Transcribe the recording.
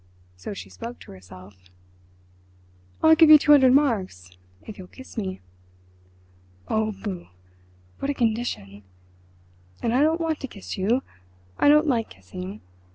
—so she spoke to herself. "I'll give you two hundred marks if you'll kiss me." "Oh, boo! What a condition! And I don't want to kiss you—I don't like kissing.